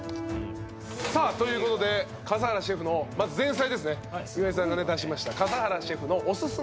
さあということで笠原シェフのまず前菜ですね岩井さんが出しました笠原シェフのおすすめ洋画５選。